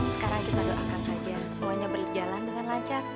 sekarang kita doakan saja semuanya berjalan dengan lancar